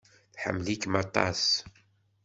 Tḥemmel-ikem aṭas.